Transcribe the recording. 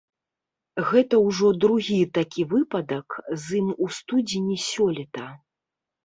Гэта ўжо другі такі выпадак з ім у студзені сёлета.